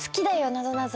なぞなぞ？